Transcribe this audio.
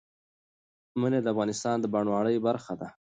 منی د افغانستان د بڼوالۍ برخه ده.